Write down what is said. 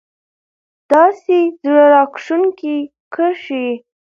داسې زړه راښکونکې کرښې